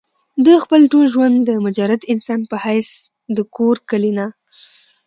دوي خپل ټول ژوند د مجرد انسان پۀ حېث د کور کلي نه